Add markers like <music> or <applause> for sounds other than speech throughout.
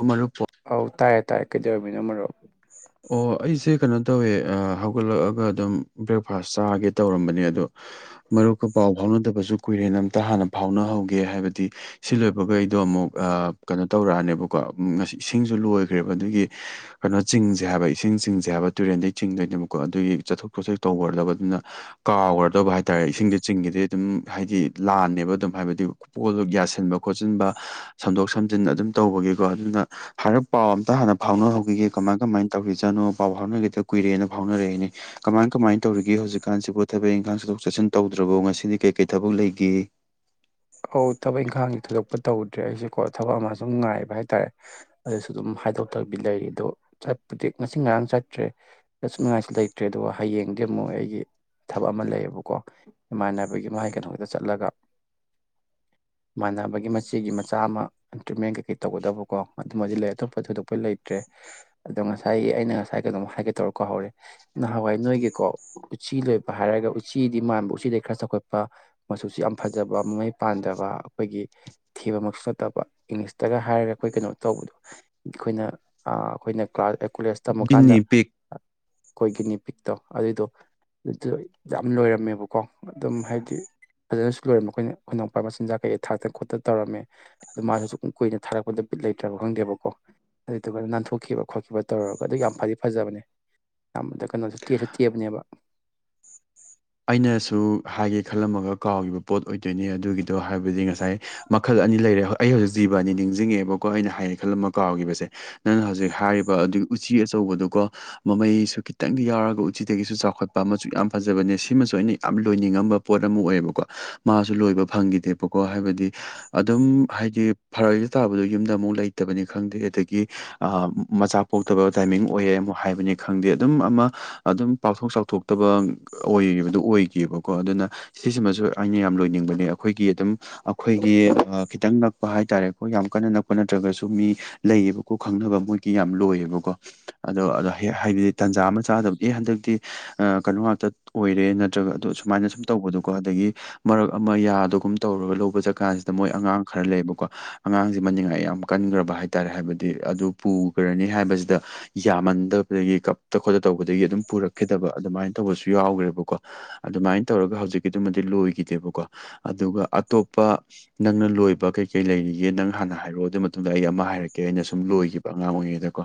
ꯑꯃꯔꯛꯄꯣ ꯑꯧ ꯇꯥꯌꯦ ꯇꯥꯌꯦ ꯀꯩꯗꯧꯔꯝꯃꯤꯅꯣ ꯃꯔꯨꯞ <inaudible> ꯑꯣ ꯑꯩꯁꯦ ꯀꯩꯅꯣ ꯇꯧꯋꯦ ꯍꯧꯒꯠꯂꯛꯑꯒ ꯑꯗꯨꯝ ꯕ꯭ꯔꯦꯛꯐꯥꯁ ꯆꯥꯒꯦ ꯇꯧꯔꯝꯕꯅꯦ ꯑꯗꯣ ꯃꯔꯨꯞꯀ ꯄꯥꯎ ꯐꯥꯎꯅꯗꯕꯁꯨ ꯀꯨꯏꯔꯦꯅ ꯑꯝꯇ ꯍꯥꯟꯅ ꯐꯥꯎꯅꯍꯧꯒꯦ ꯍꯥꯏꯕꯗꯤ ꯁꯤ ꯂꯣꯏꯕꯒ ꯑꯩꯗꯣ ꯑꯃꯨꯛ ꯀꯩꯅꯣ ꯇꯧꯔꯛꯑꯅꯦꯕꯀꯣ ꯉꯁꯤ ꯏꯁꯤꯡꯁꯨ ꯂꯣꯏꯈ꯭ꯔꯦꯕ ꯑꯗꯨꯒꯤ <inaudible> ꯀꯩꯅꯣ ꯆꯤꯡꯁꯦ ꯍꯥꯏꯕ ꯏꯁꯤꯡ ꯆꯤꯡꯁꯦ ꯍꯥꯏꯕ ꯇꯨꯔꯦꯟꯗꯩ ꯆꯤꯡꯗꯣꯏꯅꯦꯕꯀꯣ ꯑꯗꯨꯒꯤ ꯆꯠꯊꯣꯛ ꯈꯣꯠꯇꯣꯛ ꯇꯧꯒ꯭ꯔꯗꯕ ꯑꯗꯨꯅ ꯀꯥꯎꯒ꯭ꯔꯗꯧꯕ ꯍꯥꯏꯇꯥꯔꯦ ꯏꯁꯤꯡꯁꯤ ꯆꯤꯡꯒ꯭ꯔꯗꯤ ꯑꯗꯨꯝ ꯍꯥꯏꯗꯤ ꯂꯥꯟꯅꯦꯕ ꯑꯗꯨꯝ ꯍꯥꯏꯕꯗꯤ ꯄꯣꯠꯇꯣ ꯌꯥꯁꯤꯟꯕ ꯈꯣꯠꯆꯤꯟꯕ ꯁꯦꯝꯗꯣꯛ ꯁꯦꯝꯖꯤꯟ ꯑꯗꯨꯝ ꯇꯧꯕꯒꯤꯀꯣ ꯑꯗꯨꯅ ꯍꯥꯏꯔꯞ ꯄꯥꯎ ꯑꯝꯇ ꯍꯥꯟꯅ ꯐꯥꯎꯅꯍꯧꯈꯤꯒꯦ ꯀꯃꯥꯏ ꯀꯃꯥꯏꯅ ꯇꯧꯔꯤꯖꯠꯅꯣ ꯄꯥꯎ ꯐꯥꯎꯅꯒꯈꯤꯗ ꯀꯨꯏꯔꯦꯅ ꯐꯥꯎꯅꯔꯛꯏꯅꯦ ꯀꯃꯥꯏ ꯀꯃꯥꯏꯅ ꯇꯧꯔꯤꯒꯦ ꯍꯧꯖꯤꯛꯀꯥꯟꯁꯤꯕꯨ ꯊꯕꯛ ꯏꯪꯈꯥꯡ ꯆꯠꯊꯣꯛ ꯆꯠꯁꯤꯟ ꯇꯧꯗ꯭ꯔꯕꯣ ꯉꯁꯤꯗꯤ ꯀꯩ ꯀꯩ ꯊꯕꯛ ꯂꯩꯒꯦ ꯑꯧ ꯊꯕꯛ ꯏꯪꯈꯥꯡꯗꯤ ꯊꯣꯏꯗꯛꯄ ꯇꯧꯗ꯭ꯔꯦ ꯑꯩꯁꯦꯀꯣ ꯊꯕꯛ ꯑꯃ ꯁꯨꯝ ꯉꯥꯏꯕ ꯍꯥꯏꯇꯥꯔꯦ ꯑꯗꯨꯁꯨ ꯑꯗꯨꯝ ꯍꯥꯏꯗꯣꯛꯇꯕꯤ ꯂꯩꯔꯤꯗꯣ ꯆꯠꯄꯨꯗꯤ ꯉꯁꯤ ꯉꯔꯥꯡ ꯆꯠꯇ꯭ꯔꯦ ꯆꯠꯅꯤꯡꯉꯥꯏꯁꯨ ꯂꯩꯇ꯭ꯔꯦ ꯑꯗꯨꯒ ꯍꯌꯦꯡꯗꯤ ꯑꯃꯨꯛ ꯑꯩꯒꯤ ꯊꯕꯛ ꯑꯃ ꯂꯩꯌꯦꯕꯀꯣ ꯏꯃꯥꯟꯅꯕꯒꯤ ꯃꯥꯒꯤ ꯀꯩꯅꯣꯒꯤꯗ ꯆꯠꯂꯒ ꯃꯥꯟꯅꯕꯒꯤ ꯃꯆꯦꯒꯤ ꯃꯆꯥ ꯑꯃ ꯇ꯭ꯔꯤꯠꯃꯦꯟ ꯀꯩꯀꯩ ꯇꯧꯒꯗꯕꯀꯣ ꯑꯗꯨꯃꯗꯤ ꯂꯩ ꯑꯇꯣꯞꯄ ꯊꯣꯏꯗꯣꯛꯄ ꯂꯩꯇ꯭ꯔꯦ ꯑꯗꯣ ꯉꯁꯥꯏ ꯑꯩꯅ ꯉꯁꯥꯏ ꯀꯩꯅꯣꯝ ꯍꯥꯏꯒꯦ ꯇꯧꯔꯒ ꯀꯥꯎꯍꯧꯔꯦ ꯅꯍꯥꯟꯋꯥꯏ ꯅꯣꯏꯒꯤꯀꯣ ꯎꯆꯤ ꯂꯣꯏꯕ ꯍꯥꯏꯔꯒ ꯎꯆꯤꯗꯤ ꯃꯥꯟꯕ ꯎꯆꯤꯗꯩꯩ ꯈꯔ ꯆꯥꯎꯈꯠꯄ ꯃꯆꯨꯁꯤ ꯌꯥꯝ ꯐꯖꯕ ꯃꯃꯩ ꯄꯥꯟꯗꯕ ꯑꯩꯈꯣꯏꯒꯤ ꯊꯦꯕꯃꯛꯁꯨ ꯅꯠꯇꯕ ꯏꯪꯂꯤꯁꯇꯒ ꯍꯥꯏꯔꯒ ꯑꯩꯈꯣꯏ ꯀꯩꯅꯣ ꯇꯧꯕꯗꯨ ꯑꯈꯣꯏꯅ ꯑꯥ ꯑꯈꯣꯏꯅ ꯀꯥ ꯀꯣꯂꯦꯁ ꯇꯝꯃꯀꯥꯟꯗ ꯒꯤꯅꯤ ꯄꯤꯛ ꯑꯈꯣꯏꯒꯤ ꯅꯤꯄꯤꯛꯇꯣ ꯑꯗꯨꯏꯗꯣ ꯑꯗꯨ ꯌꯥꯝ ꯂꯣꯏꯔꯝꯃꯦꯕꯀꯣ ꯑꯗꯨꯝ ꯍꯥꯏꯗꯤ ꯐꯖꯅꯁꯨ ꯂꯣꯏꯔꯝꯃꯦ ꯑꯈꯣꯏꯅ ꯈꯣꯏꯅꯥꯎꯄꯥ ꯃꯆꯤꯟꯖꯥꯛ ꯀꯩꯀ ꯊꯥꯛꯇꯅ ꯈꯣꯠꯇꯅ ꯇꯧꯔꯝꯃꯦ ꯑꯗꯨ ꯃꯥꯁꯨ ꯁꯨꯝ ꯀꯨꯏꯅ ꯊꯥꯛꯂꯛꯄꯗꯨ ꯕꯤꯠ ꯂꯩꯇ꯭ꯔꯕ ꯈꯪꯗꯦꯕꯀꯣ ꯑꯗꯨꯏꯗꯨꯒ ꯅꯥꯟꯊꯣꯛꯈꯤꯕ ꯈꯣꯠꯈꯤꯕ ꯇꯧꯔꯒ ꯑꯗꯨ ꯌꯥꯝ ꯐꯗꯤ ꯐꯖꯕꯅꯦ ꯑꯌꯥꯝꯕꯗ ꯀꯩꯅꯣꯁꯨ ꯇꯦꯁꯨ ꯇꯦꯕꯅꯦꯕ ꯑꯩꯅꯁꯨ ꯍꯥꯏꯒꯦ ꯈꯜꯂꯝꯃꯒ ꯀꯥꯎꯈꯤꯕ ꯄꯣꯠ ꯑꯣꯏꯗꯣꯏꯅꯦ ꯑꯗꯨꯒꯤ ꯑꯗꯣ ꯍꯥꯏꯕꯗꯤ ꯉꯁꯥꯏ ꯃꯈꯜ ꯑꯅꯤ ꯂꯩꯔꯦ ꯍꯣꯏ ꯑꯩ ꯍꯧꯖꯤꯛ ꯖꯤꯕ ꯑꯅꯤ ꯅꯤꯡꯁꯤꯡꯉꯦꯕꯀꯣ ꯑꯩꯅ ꯍꯥꯏꯒꯦ ꯈꯜꯂꯃ ꯀꯥꯎꯈꯤꯕꯁꯦ ꯅꯪꯅ ꯍꯧꯖꯤꯛ ꯍꯥꯏꯔꯤꯕ ꯑꯗꯨꯒꯤ ꯎꯆꯤ ꯑꯆꯧꯕꯗꯨꯀꯣ ꯃꯃꯩꯁꯨ ꯈꯤꯇꯪꯗꯤ ꯌꯥꯎꯔꯒ ꯎꯆꯤꯗꯒꯤꯁꯨ ꯆꯥꯎꯈꯠꯄ ꯃꯆꯨ ꯌꯥꯝ ꯐꯖꯕꯅꯦ ꯁꯤ ꯁꯤꯃꯁꯨ ꯑꯩꯅ ꯌꯥꯝ ꯂꯣꯏꯅꯤꯡꯉꯝꯕ ꯄꯣꯠ ꯑꯃ ꯑꯣꯏꯌꯦꯕꯀꯣ ꯃꯥꯁꯨ ꯂꯣꯏꯕ ꯐꯪꯈꯤꯗꯦꯕꯀꯣ ꯍꯥꯏꯕꯗꯤ ꯑꯗꯨꯝ ꯍꯥꯏꯗꯤ ꯐꯔꯛ ꯍꯦꯛꯇ ꯇꯥꯕꯗꯨ ꯌꯨꯝꯗ ꯑꯃꯨꯛ ꯂꯩꯇꯕꯅꯤ ꯈꯪꯗꯦ ꯑꯗꯒꯤ ꯑꯥ ꯃꯆꯥ ꯄꯣꯛꯇꯕ ꯇꯥꯏꯃꯤꯡ ꯑꯣꯏꯌꯦ ꯑꯃꯨꯛ ꯍꯥꯏꯕꯅꯤ ꯈꯪꯗꯦ ꯑꯗꯨꯝ ꯑꯃ ꯑꯗꯨꯝ ꯄꯥꯛꯊꯣꯛ ꯆꯥꯎꯊꯣꯛꯇꯕ ꯑꯣꯏꯕꯗꯨ ꯑꯣꯏꯈꯤꯑꯦꯕꯀꯣ ꯑꯗꯨꯅ ꯁꯤꯁꯤꯃꯁꯨ ꯑꯩꯅ ꯌꯥꯝ ꯂꯣꯏꯅꯤꯡꯕꯅꯦ ꯑꯈꯣꯏꯒꯤ ꯑꯗꯨꯝ ꯑꯈꯣꯏꯒꯤ ꯈꯤꯇꯪ ꯅꯛꯄ ꯍꯥꯏ ꯇꯥꯔꯦꯀꯣ ꯌꯥꯝ ꯀꯟꯅ ꯅꯛꯄ ꯅꯠꯇ꯭ꯔꯒꯁꯨ ꯃꯤ ꯂꯩꯌꯦꯕꯀꯣ ꯈꯪꯅꯕ ꯃꯣꯏꯒꯤ ꯌꯥꯝ ꯂꯣꯏꯌꯦꯕꯀꯣ ꯑꯗꯣ ꯑ ꯍꯥꯏꯕꯗꯤ ꯇꯥꯟꯖꯥ ꯑꯃ ꯆꯥꯗꯕ ꯑꯦ ꯍꯟꯗꯛꯇꯤ ꯀꯩꯅꯣ ꯉꯥꯛꯇ ꯑꯣꯏꯔꯦ ꯅꯠꯇ꯭ꯔꯒ ꯑꯗꯣ ꯁꯨꯃꯥꯏꯅ ꯁꯨꯝ ꯇꯧꯕꯗꯣꯀꯣ ꯑꯗꯒꯤ ꯃꯔꯛ ꯑꯃ ꯌꯥꯗꯣꯒꯨꯝ ꯇꯧꯔꯒ ꯂꯧꯕ ꯆꯠꯀꯥꯟꯁꯤꯗ ꯃꯣꯏ ꯑꯉꯥꯡ ꯈꯔ ꯂꯩꯌꯦꯕꯀꯣ ꯑꯉꯥꯡꯁꯤ ꯃꯥ ꯅꯤꯡꯉꯥꯏ ꯌꯥꯝ ꯀꯟꯒ꯭ꯔꯕ ꯍꯥꯏ ꯇꯥꯔꯦ ꯍꯥꯏꯕꯗꯤ ꯑꯗꯨ ꯄꯨꯒ꯭ꯔꯅꯤ ꯍꯥꯏꯕꯁꯤꯗ ꯌꯥꯝꯃꯟꯗꯕꯗꯒꯤ ꯀꯞ ꯈꯣꯠꯇ ꯇꯧꯕꯗꯒꯤ ꯑꯗꯨꯝ ꯄꯨꯔꯛꯈꯤꯗꯕ ꯑꯗꯨꯃꯥꯏ ꯇꯧꯕꯁꯨ ꯌꯥꯎꯒ꯭ꯔꯦꯕ ꯕꯀꯣ ꯑꯗꯨꯃꯥꯏꯟ ꯇꯧꯔꯒ ꯍꯧꯖꯤꯛꯀꯤꯗꯨꯃꯗꯤ ꯂꯣꯏꯒꯤꯗꯦꯕꯀꯣ ꯑꯗꯨꯒ ꯑꯇꯣꯞꯄ ꯅꯪꯅ ꯂꯣꯏꯕ ꯀꯩꯀꯩ ꯂꯩꯔꯤꯒꯦ ꯅꯪ ꯍꯥꯟꯅ ꯍꯥꯏꯔꯛꯑꯣ ꯑꯗꯨꯏ ꯃꯇꯨꯡꯗ ꯑꯩ ꯑꯃꯥ ꯍꯥꯏꯔꯛꯀꯦ ꯑꯩꯅ ꯁꯨꯝ ꯂꯣꯏꯒꯤꯕ ꯑꯉꯥꯡ ꯑꯣꯏꯔꯤꯉꯩꯗꯀꯣ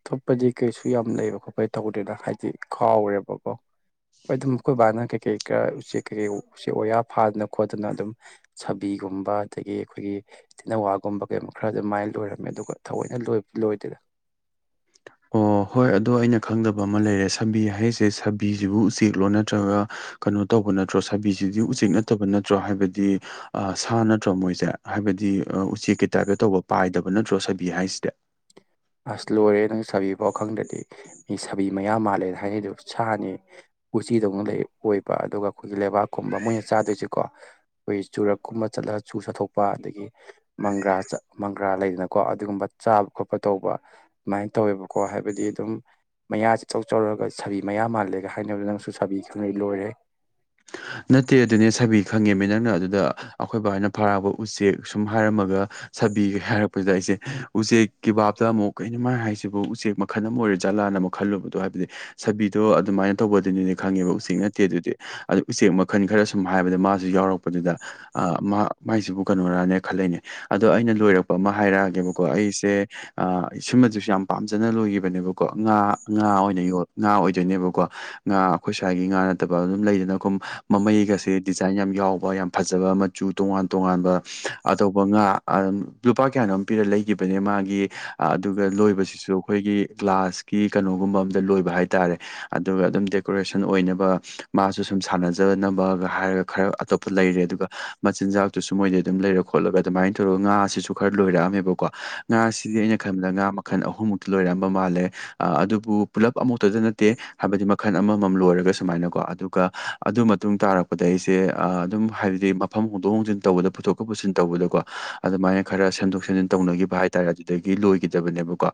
ꯑꯇꯣꯞꯄꯗꯤ ꯀꯩꯁꯨ ꯌꯥꯝ ꯂꯩꯕ ꯈꯣꯠꯄ ꯇꯧꯗꯦꯅ ꯍꯥꯏꯗꯤ ꯀꯥꯎꯔꯦꯕꯀꯣ ꯍꯣꯏ ꯗꯨꯝ ꯈꯣꯏ ꯕꯥꯅ ꯀꯩꯀꯩ ꯈꯔ ꯎꯆꯦꯛ ꯀꯩꯀꯩ ꯎꯆꯦꯛ ꯋꯥꯌꯥꯥ ꯐꯥꯗꯅ ꯈꯣꯠꯇꯅ ꯑꯗꯨꯝ ꯁꯥꯕꯤꯒꯨꯝꯕ ꯑꯗꯒꯤ ꯑꯈꯣꯏꯒꯤ ꯇꯤꯅꯋꯥꯒꯨꯝꯕ ꯀꯩꯒꯨꯝꯕ ꯈꯔ ꯑꯗꯨꯃꯥꯏ ꯂꯣꯏꯔꯝꯃꯦ ꯑꯗꯨꯒ ꯊꯑꯣꯏꯅ ꯂꯣꯏ ꯂꯣꯏꯗꯦꯗ ꯑꯣ ꯍꯣꯏ ꯑꯗꯣ ꯑꯩꯅ ꯈꯪꯗꯕ ꯑꯃꯥ ꯂꯩꯔꯦ ꯁꯥꯕꯤ ꯍꯥꯏꯁꯦ ꯁꯥꯕꯤꯖꯤꯕꯨ ꯎꯆꯦꯛꯂꯣ ꯅꯠꯇ꯭ꯔꯒ ꯀꯩꯅꯣ ꯇꯧꯕ ꯅꯠꯇ꯭ꯔꯣ ꯁꯥꯕꯤꯁꯤꯗꯤ ꯎꯆꯦꯛ ꯅꯠꯇꯕ ꯅꯠꯇ꯭ꯔꯣ ꯍꯥꯏꯕꯗꯤ ꯑꯥ ꯁꯥ ꯅꯠꯇ꯭ꯔꯣ ꯃꯣꯏꯁꯦ ꯍꯥꯏꯕꯗꯤ ꯎꯆꯦꯛꯀꯤ ꯇꯥꯏꯞꯇ ꯇꯧꯕ ꯄꯥꯏꯗꯕ ꯅꯠꯇ꯭ꯔꯣ ꯁꯥꯕꯤ ꯍꯥꯏꯁꯤꯗꯤ ꯑꯁ ꯂꯣꯏꯔꯦꯍꯦ ꯅꯪ ꯁꯥꯕꯤ ꯐꯥꯎ ꯈꯪꯗ꯭ꯔꯗꯤ ꯃꯤ ꯁꯥꯕꯤ ꯃꯌꯥꯝ ꯃꯥꯜꯂꯦ ꯍꯥꯏꯅꯩꯗꯨ ꯁꯥꯅꯦ ꯎꯆꯤꯗꯧꯅ ꯂꯩ ꯑꯣꯏꯕ ꯑꯗꯨꯒ ꯈꯣꯏꯒꯤ ꯂꯩꯕꯥꯛꯀꯨꯝꯕ ꯃꯣꯏꯅ ꯆꯥꯗꯣꯏꯖꯦꯀꯣ ꯑꯩꯈꯣꯏ ꯆꯨꯔꯛꯀꯨꯝꯕ ꯆꯠꯂꯒ ꯆꯨ ꯆꯥꯊꯣꯛꯄ ꯑꯗꯒꯤ ꯃꯪꯒ꯭ꯔꯥ ꯆꯥ ꯃꯪꯒ꯭ꯔꯥ ꯂꯩꯗꯅꯀꯣ ꯑꯗꯨꯒꯨꯝꯕ ꯆꯥꯕ ꯈꯣꯠꯄ ꯇꯧꯕ ꯑꯗꯨꯃꯥꯏꯟ ꯇꯧꯋꯦꯕꯀꯣ ꯍꯥꯏꯕꯗꯤ ꯑꯗꯨꯝ ꯃꯌꯥꯖꯦ ꯏꯆꯧ ꯆꯧꯔꯒ ꯁꯥꯕꯤ ꯃꯌꯥ ꯃꯥꯜꯂꯦꯒ ꯍꯥꯏꯅꯕꯗꯣ ꯅꯪꯁꯨ ꯁꯥꯕꯤ ꯈꯪꯗꯩ ꯂꯣꯏꯔꯦꯍꯦ ꯅꯠꯇꯦ ꯑꯗꯨꯅꯦ ꯁꯥꯕꯤ ꯈꯪꯉꯦꯃꯤ ꯅꯪꯅ ꯑꯗꯨꯗ ꯑꯈꯣꯏ ꯕꯥꯍꯣꯏꯅ ꯐꯥꯔꯛꯄ ꯎꯆꯦꯛ ꯁꯨꯝ ꯍꯥꯏꯔꯝꯃꯒ ꯁꯥꯕꯤ ꯍꯥꯏꯔꯛꯄꯁꯤꯗ ꯑꯩꯁꯦ ꯎꯆꯦꯛ ꯀꯤ ꯕꯥꯞꯇ ꯑꯃꯨꯛ ꯀꯩꯅꯣ ꯃꯥ ꯍꯥꯏꯁꯤꯕꯨ ꯎꯆꯦꯛ ꯃꯈꯜ ꯑꯃꯥ ꯑꯣꯏꯔꯖꯥꯠꯂꯥꯅ ꯑꯃꯨꯛ ꯈꯜꯂꯨꯕꯗꯣ ꯍꯥꯏꯕꯗꯤ ꯁꯥꯕꯤꯗꯣ ꯑꯗꯨꯃꯥꯏꯟ ꯇꯧꯕꯗꯨꯅꯤꯗꯤ ꯈꯪꯉꯦꯕ ꯎꯆꯦꯛ ꯅꯠꯇꯦ ꯗꯨꯗꯤ ꯑꯗꯨ ꯎꯆꯦꯛ ꯃꯈꯜ ꯈꯔ ꯁꯨꯝ ꯍꯥꯏꯕꯗ ꯃꯥꯖꯨ ꯌꯥꯎꯔꯛꯄꯗꯨꯗ ꯑꯥ ꯃꯥ ꯃꯥꯏꯖꯤꯕꯨ ꯀꯩꯅꯣꯔꯅꯦ ꯈꯜꯂꯛꯏꯅꯤ ꯑꯗꯣ ꯑꯩꯅ ꯂꯣꯏꯔꯛꯄ ꯑꯃꯥ ꯍꯥꯏꯔꯛꯑꯒꯦꯕꯀꯣ ꯑꯩꯁꯦ ꯑꯥ ꯁꯨꯝꯃꯆꯨꯁꯨ ꯌꯥꯝ ꯄꯥꯝꯖꯅ ꯂꯣꯏꯒꯤꯕꯅꯦꯕꯀꯣ ꯉꯥ ꯉꯥ ꯑꯣꯏꯅ ꯉꯥ ꯑꯣꯏꯗꯣꯏꯅꯦꯕꯀꯣ ꯉꯥ ꯑꯈꯣꯏ ꯁ꯭ꯋꯥꯏꯒꯤ ꯉꯥ ꯅꯠꯇꯕ ꯑꯗꯨꯝ ꯂꯩꯗꯅ ꯀꯨꯝ ꯃꯃꯩꯒꯁꯦ ꯗꯤꯖꯥꯏꯟ ꯌꯥꯝ ꯌꯥꯎꯕ ꯌꯥꯝ ꯐꯖꯕ ꯃꯆꯨ ꯇꯣꯉꯥꯟ ꯇꯣꯉꯥꯟꯕ ꯑꯇꯣꯞꯄ ꯉꯥ ꯑꯝ ꯂꯨꯄꯥ ꯀꯌꯥꯅꯣꯝ ꯄꯤꯔꯒ ꯂꯩꯒꯤꯕꯅꯦ ꯃꯥꯒꯤ ꯑꯗꯨꯒ ꯂꯣꯏꯕꯁꯤꯁꯨ ꯑꯈꯣꯏꯒꯤ ꯒ꯭ꯂꯥꯁ ꯀꯤ ꯀꯩꯅꯣꯒꯨꯝꯕ ꯑꯝꯗ ꯂꯣꯏꯕ ꯍꯥꯏꯇꯥꯔꯦ ꯑꯗꯨꯒ ꯑꯗꯨꯝ ꯗꯦꯀꯣꯔꯦꯁꯟ ꯑꯣꯏꯅꯕ ꯃꯥꯁꯨ ꯁꯨꯝ ꯁꯥꯟꯅꯖꯅꯕꯒ ꯍꯥꯏꯔꯒ ꯈꯔ ꯑꯇꯞꯄ ꯂꯩꯔꯦ ꯑꯗꯨꯒ ꯃꯆꯤꯟꯖꯥꯛꯇꯨꯁꯨ ꯃꯣꯏꯗꯩ ꯑꯗꯨꯝ ꯂꯩꯔꯛ ꯈꯣꯠꯂꯒ ꯑꯗꯨꯃꯥꯏꯟ ꯇꯧꯔꯒ ꯉꯥꯁꯤꯁꯨ ꯈꯔ ꯂꯣꯏꯔꯛꯑꯝꯃꯦꯕꯀꯣ ꯉꯥꯁꯤꯗꯤ ꯑꯩꯅ ꯈꯟꯕꯗ ꯉꯥ ꯃꯥ ꯈꯟ ꯑꯍꯨꯝꯃꯨꯛꯇꯤ ꯂꯣꯏꯔꯑꯝꯕ ꯃꯥꯜꯂꯦ ꯑꯥ ꯑꯗꯨꯕꯨ ꯄꯨꯂꯞ ꯑꯃꯨꯛꯇꯗ ꯅꯠꯇꯦ ꯍꯥꯏꯕꯗꯤ ꯃꯈꯜ ꯑꯃꯃꯝ ꯂꯣꯏꯔꯒ ꯁꯨꯃꯥꯏꯅꯀꯣ ꯑꯗꯨ ꯀꯥ ꯑꯗꯨ ꯃꯇꯨꯡ ꯇꯥꯔꯛꯄꯗ ꯑꯩꯁꯦ ꯑꯥ ꯑꯗꯨꯝ ꯍꯥꯏꯕꯗꯤ ꯃꯐꯝ ꯍꯣꯡꯗꯣꯛ ꯍꯣꯡꯖꯤꯟ ꯇꯧꯕꯗ ꯄꯨꯊꯣꯛꯀ ꯄꯨꯁꯤꯟ ꯇꯧꯕꯗꯀꯣ ꯑꯗꯨꯃꯥꯏꯅ ꯈꯔ ꯁꯦꯝꯗꯣꯛ ꯁꯦꯝꯖꯤꯟ ꯇꯧꯅꯒꯤꯕ ꯍꯥꯏꯇꯥꯔꯦ ꯑꯗꯨꯗꯒꯤ ꯂꯣꯏꯒꯤꯗꯕꯅꯦꯕꯀꯣ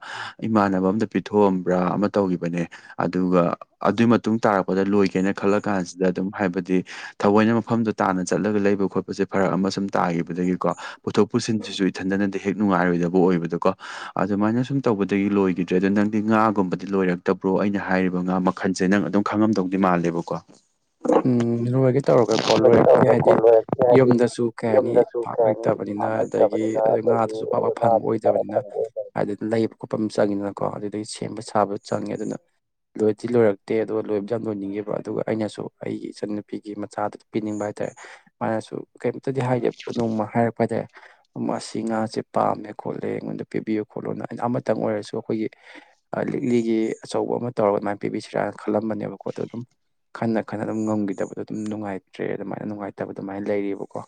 ꯏꯃꯥꯟꯅꯕ ꯑꯝꯗ ꯄꯤꯊꯣꯛꯑꯝꯕ꯭ꯔꯥ ꯑꯃ ꯇꯧꯒꯤꯕꯅꯦ ꯑꯗꯨꯒ ꯑꯗꯨꯏ ꯃꯇꯨꯡ ꯇꯥꯔꯛꯄꯗ ꯂꯣꯏꯒꯦꯅ ꯈꯜꯂ ꯀꯥꯟꯁꯤꯗ ꯑꯗꯨꯝ ꯍꯥꯏꯕꯗꯤ ꯊꯑꯣꯏꯅ ꯃꯐꯝꯗꯣ ꯇꯥꯟꯅ ꯆꯠꯂꯒ ꯂꯩꯕ ꯈꯣꯠꯄꯁꯦ ꯐꯔꯛ ꯑꯃ ꯁꯨꯝ ꯇꯥꯒꯤꯕꯗꯒꯤꯀꯣ ꯄꯨꯊꯣꯛ ꯄꯨꯁꯤꯟꯁꯤꯁꯨ ꯏꯊꯟꯗꯅꯗꯤ ꯍꯦꯛ ꯅꯨꯡꯉꯥꯏꯔꯣꯏꯗꯕ ꯑꯣꯏꯕꯗꯨꯀꯣ ꯑꯗꯨꯃꯥꯏꯅ ꯁꯨꯝ ꯇꯧꯕꯗꯒꯤ ꯂꯣꯏꯒꯤꯗ꯭ꯔꯦ ꯑꯗꯣ ꯅꯪꯗꯤ ꯉꯥꯒꯨꯝꯕꯗꯤ ꯂꯣꯏꯔꯛꯇꯕ꯭ꯔꯣ ꯑꯩꯅ ꯍꯥꯏꯔꯤꯕ ꯉꯥ ꯃꯥ ꯈꯟꯁꯦ ꯅꯪ ꯑꯗꯨꯝ ꯈꯪꯉꯝꯗꯧꯗꯤ ꯃꯥꯜꯂꯦꯕꯀꯣ ꯎꯝ ꯂꯣꯏꯒꯦ ꯇꯧꯔꯒ ꯀꯣ ꯂꯣꯏꯔꯛꯇꯦ ꯍꯥꯏꯗꯤ ꯌꯨꯝꯗꯁꯨ ꯀꯩ ꯍꯥꯏꯅꯤ ꯄꯥꯛ ꯂꯩꯇꯕꯅꯤꯅ ꯇꯥꯒꯤ ꯑꯗꯨ ꯉꯥꯗꯨꯁꯨ ꯄꯥꯛ ꯄꯥꯛ ꯐꯪ ꯑꯣꯏꯗꯕꯅꯤꯅ ꯍꯥꯏꯗꯤ ꯂꯩꯕ ꯈꯣꯠꯄ ꯑꯝ ꯆꯪꯉꯤꯗꯅꯀꯣ ꯑꯗꯨꯗꯒꯤ ꯁꯦꯝꯕ ꯁꯥꯕ ꯆꯪꯉꯦ ꯑꯗꯨꯅ ꯂꯣꯏꯗꯤ ꯂꯣꯏꯔꯛꯇꯦ ꯑꯗꯨꯒ ꯂꯣꯏꯕꯗꯤ ꯌꯥꯝ ꯂꯣꯏꯅꯤꯡꯉꯤꯕ ꯑꯗꯨꯒ ꯑꯩꯅꯁꯨ ꯑꯩꯒꯤ ꯏꯆꯟꯅꯨꯄꯤꯒꯤ ꯃꯆꯥꯗꯨꯗ ꯄꯤꯅꯤꯡꯕ ꯍꯥꯏꯇꯥꯔꯦ ꯃꯥꯅꯁꯨ ꯀꯩꯝꯇꯗꯤ ꯍꯥꯏꯗꯦ ꯅꯣꯡꯃ ꯍꯥꯏꯔꯛꯄ ꯍꯥꯏꯇꯥꯔꯦ ꯃꯁꯤ ꯉꯥꯁꯦ ꯄꯥꯝꯃꯦ ꯈꯣꯠꯂꯦ ꯑꯩꯉꯣꯟꯗ ꯄꯤꯕꯤꯌꯨ ꯈꯣꯠꯂꯨꯅ ꯑꯩꯅ ꯑꯃꯇꯪ ꯑꯣꯏꯔꯁꯨ ꯑꯈꯣꯏꯒꯤ ꯑ ꯂꯤꯛꯂꯤꯒꯤ ꯑꯆꯧꯕ ꯑꯃ ꯇꯧꯔꯒ ꯑꯗꯨ ꯃꯥꯏ ꯄꯤꯕꯤꯁꯤꯔꯥꯅ ꯈꯜꯂꯝꯕꯅꯦꯕꯀꯣ ꯗꯣ ꯗꯨꯝ ꯈꯟꯅ ꯈꯟ ꯑꯗꯨꯝ ꯉꯝꯒꯤꯗꯕꯗꯣ ꯑꯗꯨꯝ ꯅꯨꯡꯉꯥꯏꯇ꯭ꯔꯦ ꯑꯗꯨꯃꯥꯏꯅ ꯅꯨꯡꯉꯥꯏꯇꯕ ꯑꯗꯨꯃꯥꯏꯅ ꯂꯩꯔꯤꯕꯀꯣ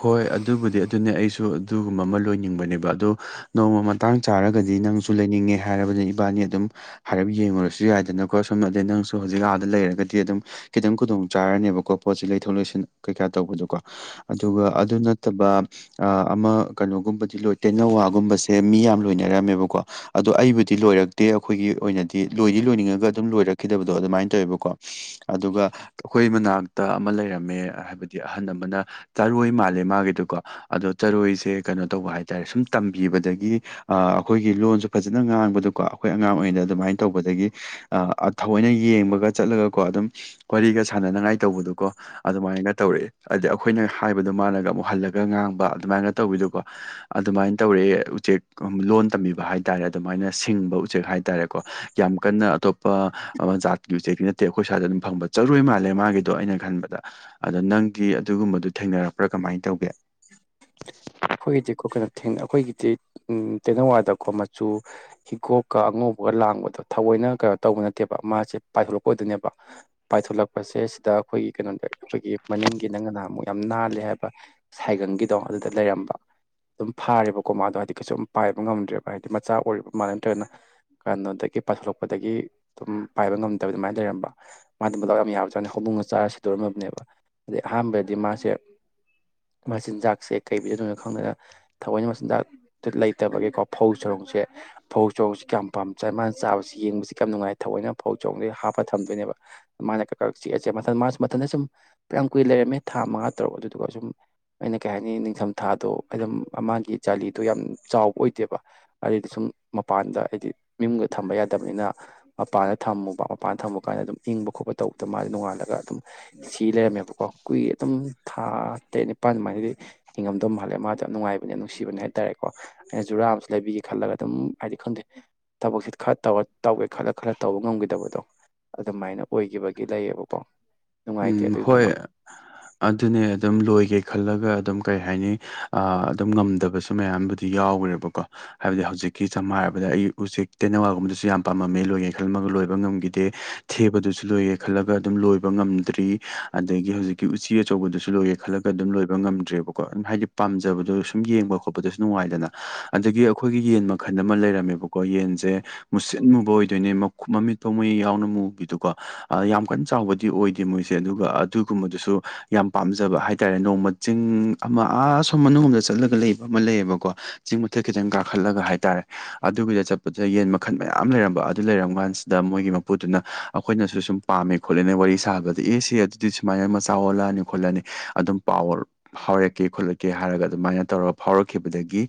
ꯍꯣꯏ ꯑꯗꯨꯕꯨꯗꯤ ꯑꯗꯨꯅꯦ ꯑꯩꯁꯨ ꯑꯗꯨꯒꯨꯝꯕ ꯑꯃ ꯂꯣꯏꯅꯤꯡꯕꯅꯦꯕ ꯑꯗꯣ ꯅꯣꯡꯃ ꯃꯇꯥꯡ ꯆꯥꯔꯒꯗꯤ ꯅꯪꯁꯨ ꯂꯩꯅꯤꯡꯉꯦ ꯍꯥꯏꯔꯕꯅꯤ ꯏꯕꯥꯅꯤ ꯑꯗꯨꯝ ꯍꯥꯏꯔꯞ ꯌꯦꯡꯉꯨꯔꯁꯨ ꯌꯥꯏꯗꯅꯀꯣ ꯁꯣꯝ ꯑꯗꯩ ꯅꯪꯁꯨ ꯍꯧꯖꯤꯛ ꯑꯥꯗ ꯂꯩꯔꯒꯗꯤ ꯑꯗꯨꯝ ꯈꯤꯇꯪ ꯈꯨꯗꯣꯡ ꯆꯥꯔꯅꯦꯕꯀꯣ ꯄꯣꯠꯁꯤ ꯂꯩꯊꯣꯛ ꯂꯩꯁꯤꯟ ꯀꯩꯀꯥ ꯇꯧꯕꯗꯣꯀꯣ ꯑꯗꯨꯒ ꯑꯗꯨ ꯅꯠꯇꯕ ꯑ ꯑꯃ ꯀꯩꯅꯣꯒꯨꯝꯕꯗꯤ ꯂꯣꯏ ꯇꯦꯅꯋꯥꯒꯨꯝꯕꯁꯦ ꯃꯤ ꯌꯥꯝꯅ ꯂꯣꯏꯅꯔꯝꯃꯦꯕꯀꯣ ꯑꯗꯣ ꯑꯩꯕꯨꯗꯤ ꯂꯣꯏꯔꯛꯇꯦ ꯑꯈꯣꯏꯒꯤ ꯑꯣꯏꯅꯗꯤ ꯂꯣꯏꯗꯤ ꯂꯣꯏꯅꯤꯡꯉꯒ ꯑꯗꯨꯝ ꯂꯣꯏꯔꯛꯈꯤꯗꯕꯗꯣ ꯑꯗꯨꯃꯥꯏꯅ ꯇꯧꯋꯦꯕꯀꯣ ꯑꯗꯨꯒ ꯑꯩꯈꯣꯏ ꯃꯅꯥꯛꯇ ꯑꯃ ꯂꯩꯔꯝꯃꯦ ꯍꯥꯏꯕꯗꯤ ꯑꯍꯟ ꯑꯃꯅ ꯆꯔꯣꯏ ꯃꯥꯜꯂꯦ ꯃꯥꯒꯤꯗꯨꯀꯣ ꯑꯗꯣ ꯆꯔꯣꯏꯁꯦ ꯀꯩꯅꯣ ꯇꯧꯕ ꯍꯥꯏꯇꯥꯔꯦ ꯁꯨꯝ ꯇꯝꯕꯤꯕꯗꯒꯤ ꯑ ꯑꯈꯣꯏꯒꯤ ꯂꯣꯟꯁꯨ ꯐꯖꯅ ꯉꯥꯡꯕꯗꯨꯀꯣ ꯑꯈꯣꯏ ꯑꯉꯥꯡ ꯑꯣꯏꯔꯤꯉꯩ ꯑꯗꯨꯃꯥꯏꯅ ꯇꯧꯕꯗꯒꯤ ꯑ ꯑ-ꯊꯑꯣꯏꯅ ꯌꯦꯡꯕꯒ ꯆꯠꯂꯒꯀꯣ ꯑꯗꯨꯝ ꯋꯥꯔꯤꯒ ꯁꯥꯟꯅꯅꯉꯥꯏ ꯇꯧꯕꯗꯨꯀꯣ ꯑꯗꯨꯃꯥꯏꯅ ꯇꯧꯔꯛꯑꯦ ꯑꯗ ꯑꯈꯣꯏꯅ ꯍꯥꯏꯕꯗꯣ ꯃꯥꯅꯒ ꯑꯃꯨꯛ ꯍꯜꯂꯒ ꯉꯥꯡꯕ ꯑꯗꯨꯃꯥꯏꯅꯒ ꯇꯧꯕꯤꯗꯨꯀꯣ ꯑꯗꯨꯃꯥꯏꯅ ꯇꯧꯔꯦ ꯎꯆꯦꯛ ꯂꯣꯟ ꯇꯝꯕꯤꯕ ꯍꯥꯏ ꯇꯔꯦ ꯑꯗꯨꯃꯥꯏꯅ ꯁꯤꯡꯕ ꯎꯆꯦꯛ ꯍꯥꯏ ꯇꯔꯦꯀꯣ ꯌꯥꯝ ꯀꯟꯅ ꯑꯇꯣꯞꯄ ꯑꯃ ꯖꯥꯠꯀꯤ ꯎꯆꯦꯛꯇꯤ ꯅꯠꯇꯦ ꯑꯈꯣꯏ ꯁ꯭ꯋꯥꯏꯗ ꯑꯗꯨꯝ ꯐꯪꯕ ꯆꯔꯣꯏ ꯃꯥꯜꯂꯦ ꯃꯥꯒꯤꯗꯣ ꯑꯩꯅ ꯈꯟꯕꯗ ꯑꯗ ꯅꯪꯗꯤ ꯑꯗꯨꯒꯨꯝꯕꯗꯨ ꯊꯦꯡꯅꯔꯛꯄ꯭ꯔꯥ ꯀꯃꯥꯏ ꯇꯧꯒꯦ <unintelligible> ꯑꯈꯣꯏꯒꯤꯗꯤꯀꯣ ꯀꯩꯅꯣ ꯊꯦꯡ ꯑꯈꯣꯏꯒꯤꯗꯤ ꯎꯝ ꯇꯦꯅꯋꯥꯗꯀꯣ ꯃꯆꯨ ꯍꯤꯒꯣꯛꯀ ꯑꯉꯧꯕꯒ ꯂꯥꯡꯕꯗꯣ ꯊꯑꯣꯏꯅ ꯀꯩꯅꯣ ꯇꯧꯕ ꯅꯠꯇꯦꯕ ꯃꯥꯁꯦ ꯄꯥꯏꯊꯣꯔꯛꯄꯑꯣꯏꯗꯣꯏꯅꯦꯕ ꯄꯥꯏꯊꯣꯂꯛꯄꯁꯦ ꯁꯤꯗ ꯑꯈꯣꯏ ꯀꯩꯅꯣꯗ ꯈꯣꯏꯒꯤ ꯃꯅꯤꯡꯒꯤ ꯅꯪꯅ ꯅꯍꯥꯟꯃꯨꯛ ꯌꯥꯝ ꯅꯥꯜꯂꯦ ꯍꯥꯏꯕ ꯁꯥꯏꯒꯪꯒꯤꯗꯣ ꯑꯗꯨꯗ ꯂꯩꯔꯝꯕ ꯑꯗꯨꯝ ꯐꯥꯔꯦꯕꯀꯣ ꯃꯥꯗꯣ ꯍꯥꯏꯗꯤ ꯀꯩꯁꯨꯝ ꯄꯥꯏꯕ ꯉꯝꯗ꯭ꯔꯦꯕ ꯍꯥꯏꯗꯤ ꯃꯆꯥ ꯑꯣꯏꯔꯤꯕ ꯃꯥꯜꯂꯦ ꯅꯠꯇ꯭ꯔꯒꯅ ꯀꯩꯅꯣꯗꯒꯤ ꯄꯥꯏꯊꯣꯛꯂꯛꯄꯗꯒꯤ ꯗꯨꯝ ꯄꯥꯏꯕ ꯉꯝꯗ ꯑꯗꯨꯃꯥꯏ ꯂꯩꯔꯝꯕ ꯃꯥꯗꯤ ꯃꯗꯥꯎ ꯌꯥꯝ ꯌꯥꯕ ꯖꯥꯅꯤ ꯍꯧꯗꯣꯡꯅ ꯆꯥꯔ ꯁꯤꯗꯣꯔꯝꯕꯅꯦꯕ ꯑꯗꯩ ꯑꯍꯥꯟꯕꯗꯤ ꯃꯥꯁꯦ ꯃꯆꯤꯟꯖꯥꯛꯁꯦ ꯀꯩ ꯄꯤꯖꯗꯨꯏꯅꯣ ꯈꯪꯗꯅ ꯊꯑꯣꯏꯅ ꯃꯆꯤꯟꯖꯥꯛꯇ ꯂꯩꯇꯕꯒꯤꯀꯣ ꯐꯧ ꯆꯔꯣꯡꯁꯦ ꯐꯧ ꯆꯥꯔꯣꯡꯁꯤ ꯀꯌꯥꯝ ꯄꯥꯝ ꯆꯥꯏ ꯃꯥꯅ ꯆꯥꯕꯁꯤ ꯌꯦꯡꯕꯁꯤ ꯀꯌꯥꯝ ꯅꯨꯡꯉꯥꯏ ꯊꯑꯣꯏꯅ ꯐꯧ ꯆꯥꯔꯣꯡꯖꯦ ꯍꯥꯞꯄ ꯊꯝꯗꯣꯏꯅꯦꯕ ꯃꯥꯅ ꯀꯛꯀꯛ ꯆꯤꯛꯑꯥ ꯆꯤꯛꯑꯥ ꯃꯊꯟ ꯃꯥꯁ ꯃꯊꯟꯗ ꯁꯨꯝ ꯐꯅꯥꯌꯥꯝ ꯀꯨꯏꯅ ꯂꯩꯔꯝꯃꯦ ꯊꯥ ꯃꯉꯥ ꯇꯔꯨꯛ ꯑꯗꯨꯗꯨꯒ ꯖꯨꯝ ꯑꯩꯅ ꯀꯩ ꯍꯥꯏꯅꯤ ꯅꯤꯡꯊꯝꯊꯥꯗꯣ ꯑꯗꯨꯝ ꯃꯥꯒꯤ ꯖꯥꯂꯤꯗꯣ ꯌꯥꯝ ꯆꯥꯎꯕ ꯑꯣꯏꯗꯦꯕ ꯑꯗꯩꯗꯤ ꯁꯨꯝ ꯃꯄꯥꯟꯗ ꯍꯥꯏꯗꯤ ꯌꯨꯝꯒ ꯊꯝꯕ ꯌꯥꯗꯕꯅꯤꯅ ꯃꯄꯥꯟꯗ ꯊꯝꯃꯨꯕ ꯃꯄꯥꯟꯗ ꯊꯝꯃꯨ ꯀꯥꯟꯗ ꯑꯗꯨꯝ ꯏꯪꯕ ꯈꯣꯠꯄ ꯇꯧꯕꯗ ꯃꯥꯖꯦ ꯅꯣꯡꯉꯥꯜꯂꯒ ꯑꯗꯨꯝ ꯁꯤ ꯂꯩꯔꯝꯃꯦꯕꯀꯣ ꯀꯨꯏꯔꯦ ꯑꯗꯨꯝ ꯊꯥ ꯇꯔꯦꯠ ꯅꯤꯄꯥꯜ ꯑꯗꯨꯃꯥꯏꯅꯗꯤ ꯍꯤꯡꯉꯝꯗꯧ ꯃꯥꯜꯂꯦ ꯃꯥꯗꯣ ꯌꯥꯝ ꯅꯨꯡꯉꯥꯏꯕꯅꯦ ꯅꯨꯡꯁꯤꯕꯅꯦ ꯍꯥꯏꯇꯥꯔꯦꯀꯣ ꯑꯩꯅ ꯖꯨꯔꯥ ꯑꯃꯁꯨ ꯂꯩꯕꯤꯒꯦ ꯈꯜꯂꯒ ꯑꯗꯨꯝ ꯍꯥꯏꯗꯤ ꯈꯪꯗꯦ ꯊꯕꯛꯁꯦ ꯈꯔ ꯇꯧꯔ ꯇꯧꯒꯦ ꯈꯜꯂ ꯈꯜꯂ ꯇꯧꯕ ꯉꯝꯈꯤꯗꯕꯗꯣ ꯑꯗꯨꯃꯥꯏꯅ ꯑꯣꯏꯒꯤꯕꯒꯤ ꯂꯩꯌꯦꯕꯀꯣ ꯅꯨꯡꯉꯥꯏꯇꯦ ꯎꯝ ꯍꯣꯏ ꯑꯗꯨꯏꯗꯨꯃ ꯑꯗꯨꯅꯦ ꯑꯗꯨꯝ ꯂꯣꯏꯒꯦ ꯈꯜꯂꯒ ꯑꯗꯨꯝ ꯀꯩ ꯍꯥꯏꯅꯤ ꯑꯥ ꯑꯗꯨꯝ ꯉꯝꯗꯕꯁꯨ ꯃꯌꯥꯝꯕꯨꯗꯤ ꯌꯥꯎꯒ꯭ꯔꯦꯕꯀꯣ ꯍꯥꯏꯕꯗꯤ ꯍꯧꯖꯤꯛꯀꯤ ꯁꯝꯅ ꯍꯥꯏꯔꯕꯗ ꯑꯩ ꯎꯆꯦꯛ ꯇꯦꯅꯋꯥꯒꯨꯝꯕꯗꯁꯨ ꯌꯥꯝꯅ ꯄꯥꯝꯃꯝꯃꯦ ꯂꯣꯏꯒꯦ ꯈꯜꯂꯝꯃꯒ ꯂꯣꯏꯕ ꯉꯝꯒꯤꯗꯦ ꯊꯦꯕꯗꯨꯁꯨ ꯂꯣꯏꯒꯦ ꯈꯜꯂꯒ ꯑꯗꯨꯝ ꯂꯣꯏꯕ ꯉꯝ ꯗꯔꯤ ꯑꯗꯥꯒꯤ ꯍꯧꯖꯤꯛꯀꯤ ꯎꯆꯤ ꯑꯆꯧꯕꯗꯨꯁꯨ ꯂꯣꯏꯒꯦ ꯈꯜꯂꯒ ꯑꯗꯨꯝ ꯂꯣꯏꯕ ꯉꯝꯗ꯭ꯔꯦꯕꯀꯣ ꯑꯗꯨꯝ ꯍꯥꯏꯗꯤ ꯄꯥꯝꯖꯕꯗꯣ ꯁꯨꯝ ꯌꯦꯡꯕ ꯈꯣꯠꯄꯗꯁꯨ ꯅꯨꯡꯉꯥꯏꯗꯅ ꯑꯗꯥꯒꯤ ꯑꯩꯈꯣꯏꯒꯤ ꯌꯦꯟ ꯃꯈꯟ ꯑꯃ ꯂꯩꯔꯝꯃꯦꯕꯀꯣ ꯌꯦꯟꯖꯦ ꯃꯨꯁꯤꯟ ꯃꯨꯕ ꯑꯣꯏꯗꯣꯏꯅꯦ ꯃꯈꯠ ꯃꯃꯤꯠꯐꯥꯎ ꯃꯨꯏ ꯌꯥꯎꯅ ꯃꯨꯕꯤꯗꯨꯀꯣ ꯌꯥꯝ ꯀꯟꯅ ꯆꯥꯎꯕꯗꯤ ꯑꯣꯏ ꯗꯦ ꯃꯣꯏꯁꯦ ꯑꯗꯨꯒ ꯑꯗꯨꯒꯨꯝꯕꯗꯨꯁꯨ ꯌꯥꯝ ꯄꯥꯝꯖꯕ ꯍꯥꯏꯇꯥꯔꯦ ꯅꯣꯡꯃ ꯆꯤꯡ ꯑꯃ ꯑꯥ ꯑꯁꯣꯝ ꯃꯅꯨꯡ ꯂꫭꯝꯗ ꯆꯠꯂꯒ ꯂꯩꯕ ꯑꯃ ꯂꯩꯌꯦꯕꯀꯣ ꯆꯤꯡ ꯃꯊꯛ ꯈꯤꯇꯪ ꯀꯥꯈꯠꯂꯒ ꯍꯥꯏꯇꯥꯔꯦ ꯑꯗꯨꯒꯤꯗ ꯆꯠꯄꯗ ꯌꯦꯟ ꯃꯈꯟ ꯃꯌꯥꯝ ꯂꯩꯔꯝꯕ ꯑꯗꯨ ꯂꯩꯔꯝ ꯀꯥꯟꯁꯤꯗ ꯃꯣꯏꯒꯤ ꯃꯄꯨꯗꯨꯅ ꯑꯩꯈꯣꯏꯅꯁꯨ ꯁꯨꯝ ꯄꯥꯝꯃꯦ ꯈꯣꯠꯂꯦꯅꯦ ꯋꯥꯔꯤ ꯁꯥꯕꯗꯗꯤ ꯑꯦ ꯁꯤ ꯑꯗꯨꯗꯤ ꯁꯨꯃꯥꯏꯅ ꯃꯆꯥ ꯑꯣꯜꯂꯛꯑꯅꯤ ꯈꯣꯠꯂꯅꯤ ꯑꯗꯨꯝ ꯄꯥꯎꯋ꯭ꯔ ꯐꯥꯎꯔꯛꯀꯦ ꯈꯣꯠꯂꯛꯀꯦ ꯍꯥꯏꯔꯒ ꯑꯗꯨꯃꯥꯏ ꯇꯧꯔꯒ ꯐꯥꯎꯔꯛꯈꯤꯕꯗꯒꯤ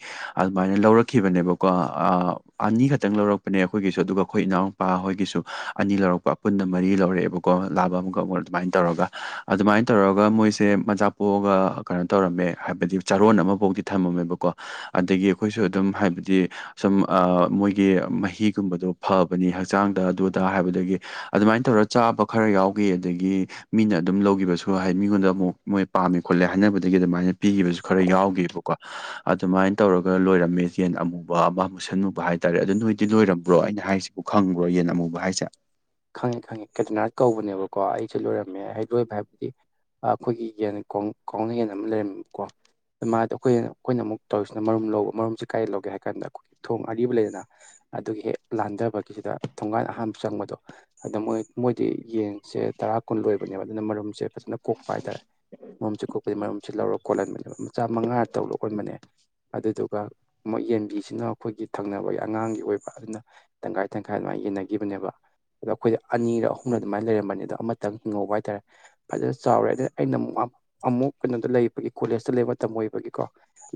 ꯑꯗꯨꯃꯥꯏ ꯂꯧꯔꯛꯈꯤꯕꯅꯦꯕ ꯀꯣ ꯑꯥ ꯑꯅꯤꯈꯛꯇꯪ ꯂꯧꯔꯛꯄꯅꯦ ꯑꯩꯈꯣꯏꯒꯤꯁꯨ ꯑꯗꯨꯒ ꯑꯩꯈꯣꯏ ꯏꯅꯥꯎꯅꯨꯄꯥ ꯍꯣꯏꯒꯤꯁꯨ ꯑꯅꯤ ꯂꯧꯔꯛꯄ ꯄꯨꯟꯅ ꯃꯔꯤ ꯂꯧꯔꯛꯑꯦꯕꯀꯣ ꯂꯥꯕ ꯑꯃꯒ ꯑꯃꯣꯟ ꯑꯗꯨꯃꯥꯏ ꯇꯧꯔꯒ ꯑꯗꯨꯃꯥꯏ ꯇꯧꯔꯒ ꯃꯣꯏꯁꯦ ꯃꯆꯥ ꯄꯣꯛꯑꯒ ꯀꯩꯅꯣ ꯇꯧꯔꯝꯃꯦ ꯍꯥꯏꯕꯗꯤ ꯆꯥꯔꯣꯟ ꯑꯃꯕꯣꯛꯇꯤ ꯊꯝꯃꯝꯃꯦꯕꯀꯣ ꯑꯗꯥꯒꯤ ꯑꯩꯈꯣꯏꯁꯨ ꯑꯗꯨꯝ ꯍꯥꯏꯕꯗꯤ ꯁꯨꯝ ꯑꯥ ꯃꯣꯏꯒꯤ ꯃꯍꯤꯒꯨꯝꯕꯗꯣ ꯐꯕꯅꯤ ꯍꯛꯆꯥꯡꯗ ꯑꯗꯨꯗ ꯍꯥꯏꯕꯗꯒꯤ ꯑꯗꯨꯃꯥꯏ ꯇꯧꯔꯒ ꯆꯥꯕ ꯈꯔ ꯌꯥꯎꯒꯤ ꯑꯗꯥꯒꯤ ꯃꯤꯅ ꯑꯗꯨꯝ ꯂꯧꯒꯤꯕꯁꯨ ꯍꯥꯏ ꯃꯤꯉꯣꯟꯗ ꯑꯃꯨꯛ ꯃꯣꯏ ꯄꯥꯝꯃꯦ ꯈꯣꯠꯂꯦ ꯍꯥꯏꯅꯕꯗꯒꯤ ꯑꯗꯨꯃꯥꯏ ꯄꯤꯒꯤꯕꯁꯨ ꯈꯔ ꯌꯥꯎꯒꯤꯕꯀꯣ ꯑꯗꯨꯃꯥꯏ ꯇꯧꯔꯒ ꯂꯣꯏꯔꯝꯃꯦ ꯌꯦꯟ ꯑꯃꯨꯕ ꯑꯃ ꯃꯨꯁꯟꯃꯨꯕ ꯍꯥꯏ ꯇꯥꯔꯦ ꯑꯗꯨ ꯅꫭꯏꯗꯤ ꯅꯣꯏꯔꯝꯕ꯭ꯔꫭ ꯑꯩꯅ ꯍꯥꯏꯁꯤꯕꯨ ꯈꯪꯕ꯭ꯔꯣ ꯌꯦꯟ ꯑꯃꯨꯕ ꯍꯥꯏꯁꯦ ꯈꯪꯉꯦ ꯈꯪꯉꯦ ꯀꯦꯗ꯭ꯔꯅꯥꯔꯠ ꯀꯧꯕꯅꯦꯕꯀꯣ ꯑꯩꯁꯦ ꯂꯣꯏꯔꯝꯃꯦ ꯑꯩ ꯂꯣꯏꯕ ꯍꯥꯏꯕꯗꯤ ꯑꯥ ꯑꯈꯣꯏꯒꯤ ꯌꯦꯟ ꯈꯣꯡ ꯀꯥꯎꯅ ꯌꯦꯟ ꯑꯃ ꯂꯩꯔꯝꯃꯦꯕꯀꯣ ꯃꯥꯗꯣ ꯑꯩꯈꯣꯏꯅ ꯑꯩꯈꯣꯏꯅ ꯑꯃꯨꯛ ꯇꯧꯔꯤꯁꯤꯅ ꯃꯔꯨꯝ ꯂꯧꯕ ꯃꯔꯨꯝꯁꯦ ꯀꯥꯏ ꯂꯧꯒꯦ ꯍꯥꯏꯀꯥꯟꯗ ꯑꯩꯈꯣꯏꯒꯤ ꯊꯣꯡ ꯑꯔꯤꯕ ꯂꯩꯗꯅ ꯑꯗꯨꯒꯤ ꯍꯦꯛ ꯂꯥꯟꯗꯕꯒꯤꯁꯤꯗ ꯊꯣꯡꯒꯥꯟ ꯑꯍꯥꯥꯟꯕ ꯆꯪꯕꯗꯣ ꯑꯗꯥ ꯃꯣꯏ ꯃꯣꯏꯗꯤ ꯌꯦꯟꯁꯦ ꯇꯔꯥ ꯀꯨꯟ ꯂꯣꯏꯕꯅꯦꯕ ꯑꯗꯨꯅ ꯃꯔꯨꯝꯁꯦ ꯐꯖꯅꯥ ꯀꯣꯛꯄ ꯍꯥꯏꯇꯥꯔꯦ ꯃꯔꯨꯝꯁꯤ ꯀꯣꯛꯄꯩ ꯃꯔꯨꯝꯁꯤ ꯂꯧꯔꯒ ꯀꯣꯜꯍꯟꯕꯅꯦꯕ ꯃꯆꯥ ꯃꯉꯥ ꯇꯔꯨꯛꯂ ꯑꫭꯟꯕꯅꯦ ꯑꯗꯨꯗꯨꯒ ꯑꯃꯨꯛ ꯌꯦꯟꯕꯤꯁꯤꯅ ꯑꯩꯈꯣꯏꯒꯤ ꯊꯪꯅꯕꯒꯤ ꯑꯉꯥꯡꯒꯤ ꯑꯣꯏꯕ ꯑꯗꯨꯅ ꯇꯪꯈꯥꯏ ꯇꯪꯈꯥꯏ ꯑꯗꯨꯃꯥꯏ ꯌꯦꯟꯅꯒꯤꯕꯅꯦꯕ ꯑꯗꯣ ꯑꯩꯈꯣꯏꯗ ꯑꯅꯤꯔꯛ ꯑꯍꯨꯝꯔꯛ ꯑꯗꯨꯃꯥꯏ ꯂꯩꯔꯝꯕꯅꯤ ꯑꯗꯣ ꯑꯃꯇꯪ ꯍꯤꯡꯍꯧꯕ ꯍꯥꯏꯇꯥꯔꯦ ꯐꯖꯅꯥ ꯆꯥꯎꯔꯦ ꯑꯗꯩ ꯑꯩꯅꯃꯨꯛ ꯑ ꯑꯃꯨꯛ ꯀꯩꯅꯣꯗ ꯂꯩꯕꯒꯤ ꯀꯣꯂꯦꯖꯇ ꯂꯩꯕ ꯃꯇꯝ ꯑꯣꯏꯕꯒꯤꯀꯣ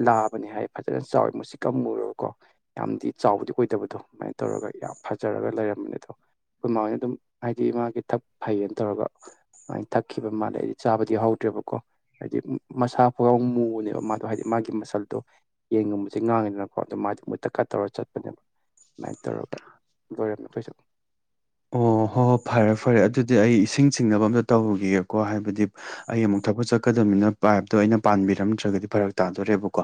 ꯂꯥꯕꯅꯦ ꯍꯥꯏ ꯐꯖꯅꯥ ꯆꯥꯎꯋꯦ ꯃꯨꯁꯤꯛꯀ ꯃꯨꯔꯒꯀꯣ ꯌꯥꯝꯗꯤ ꯆꯥꯎꯕꯗꯤ ꯑꯣꯏꯗꯕꯗꯣ ꯑꯗꯨꯃꯥꯏ ꯇꯧꯔꯒ ꯌꯥꯝ ꯐꯖꯔꯒ ꯂꯩꯔꯝꯕꯅꯦ ꯑꯗꯣ ꯑꯩꯈꯣꯏ ꯃꯥ ꯍꯣꯏꯅ ꯑꯗꯨꯝ ꯍꯥꯏꯗꯤ ꯃꯥꯒꯤ ꯊꯛ ꯐꯩꯌꯦꯅ ꯇꯧꯔꯒ ꯑꯃꯥꯏ ꯊꯛꯈꯤꯕ ꯃꯥꯜꯂꯦ ꯑꯩꯗꯤ ꯆꯥꯕꯗꯤ ꯍꯧꯗ꯭ꯔꯦꯕꯀꯣ ꯍꯥꯏꯗꯤ ꯃꯁꯥ ꯐꯥꯎꯌꯥꯎ ꯃꯨꯅꯦꯕ ꯃꯥꯗꯣ ꯍꯥꯏꯗꯤ ꯃꯥꯒꯤ ꯃꯁꯜꯗꯣ ꯌꯦꯟꯒꯨꯝꯕꯁꯦ ꯉꯥꯡꯉꯤꯗꯅꯀꯣ ꯑꯗꯣ ꯃꯥꯏꯗꯤ ꯃꯨꯇꯛꯀ ꯇꯧꯔꯒ ꯆꯠꯄꯅꯦꯕ ꯃꯥꯏ ꯇꯧꯔꯒ ꯂꯣꯏꯔꯝꯃꯦ ꯑꯩꯈꯣꯏꯁꯨ ꯑꯣ ꯍꯣ ꯍꯣ ꯐꯔꯦ ꯐꯔꯦ ꯑꯗꯨꯗꯤ ꯑꯩ ꯏꯁꯤꯡ ꯆꯤꯡꯅꯕ ꯑꯝꯇ ꯇꯧꯔꯨꯒꯤꯒꯦꯀꯣ ꯍꯥꯏꯕꯗꯤ ꯑꯩ ꯑꯃꯨꯛ ꯊꯕꯛ ꯆꯠꯀꯗꯕꯅꯤꯅ ꯄꯥꯏꯞꯇꯣ ꯑꯩꯅ ꯄꯥꯟꯕꯤꯔꯝꯗ꯭ꯔꯥꯒꯗꯤ ꯐꯔꯛ ꯇꯥꯗꯣꯔꯦꯕꯀꯣ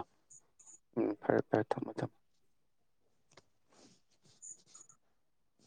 ꯎꯝ ꯐꯔꯦ ꯐꯔꯦ ꯊꯝꯃꯣ ꯊꯝꯃꯣ